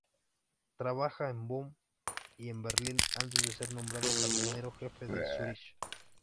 Trabaja en Bonn y en Berlín antes de ser nombrado jardinero jefe en Zúrich.